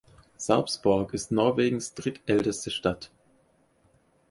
Sarpsborg ist Norwegens drittälteste Stadt.